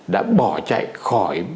đã bỏ chạy khỏi